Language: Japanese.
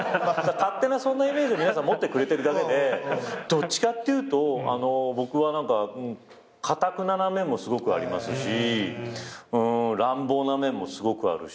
勝手なそんなイメージを皆さん持ってくれてるだけでどっちかっていうと僕はかたくなな面もすごくありますし乱暴な面もすごくあるし。